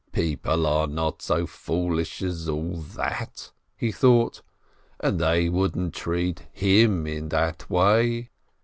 "People are not so foolish as all that," he thought, "and they wouldn't treat him in that way